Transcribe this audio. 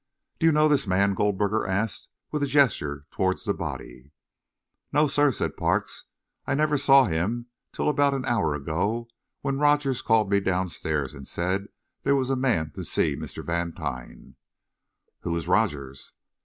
"Do you know this man?" Goldberger asked, with a gesture toward the body. "No, sir," said Parks. "I never saw him till about an hour ago, when Rogers called me downstairs and said there was a man to see Mr. Vantine." "Who is Rogers?"